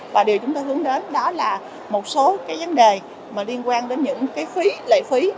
và điều chúng tôi hướng đến đó là một số vấn đề liên quan đến những lợi phí